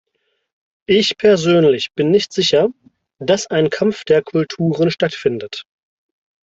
Ich persönlich bin nicht sicher, dass ein Kampf der Kulturen stattfindet.